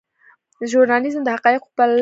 ژورنالیزم د حقایقو پلټنه ده